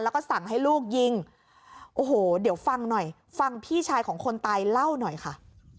แล้วก็สั่งให้ลูกยิงโอ้โหเดี๋ยวฟังหน่อยฟังพี่ชายของคนตายเล่าหน่อยค่ะ